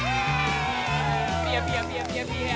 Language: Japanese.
ピヨピヨピヨピヨピーヤ。